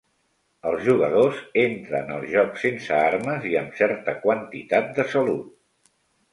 Els jugadors entren al joc sense armes i amb certa quantitat de salut.